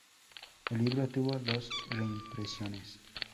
El libro tuvo dos reimpresiones.